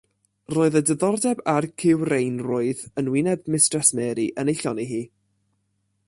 Roedd y diddordeb a'r cywreinrwydd yn wyneb Mistres Mary yn ei llonni hi.